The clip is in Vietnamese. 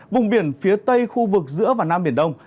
vùng biển phía tây khu vực giữa và nam biển đông